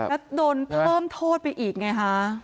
แล้วโดนเพิ่มโทษไปอีกไงคะ